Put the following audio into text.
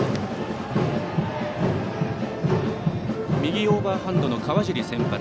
右オーバーハンドの川尻、先発。